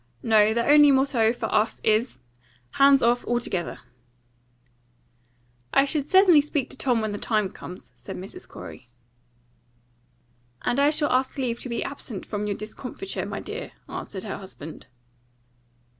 No; the only motto for us is, Hands off altogether." "I shall certainly speak to Tom when the time comes," said Mrs. Corey. "And I shall ask leave to be absent from your discomfiture, my dear," answered her husband.